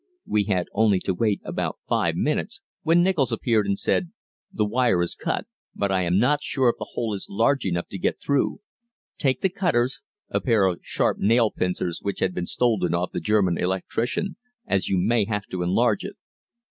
We had only to wait about five minutes, when Nichol appeared and said, "The wire is cut, but I am not sure if the hole is large enough to get through; take the cutters" (a pair of sharp nail pincers which had been stolen off the German electrician), "as you may have to enlarge it."